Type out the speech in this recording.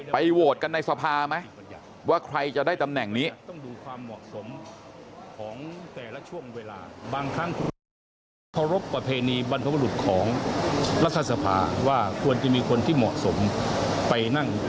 โหวตกันในสภาไหมว่าใครจะได้ตำแหน่งนี้